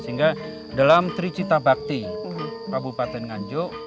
sehingga dalam tri cita bakti kabupaten nganjuk